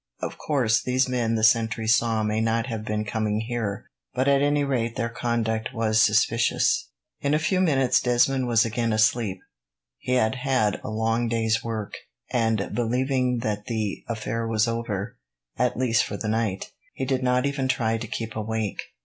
Of course, these men the sentry saw may not have been coming here, but at any rate their conduct was suspicious." In a few minutes Desmond was again asleep. He had had a long day's work, and believing that the affair was over, at least for the night, he did not even try to keep awake.